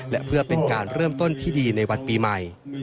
และเพื่อเป็นการเริ่มต้นที่ดีในวันปีใหม่